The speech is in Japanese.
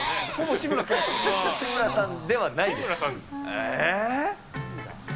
志村さんではないです。え？